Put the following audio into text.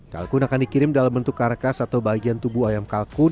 kalkun akan dikirim dalam bentuk karkas atau bagian tubuh ayam kalkun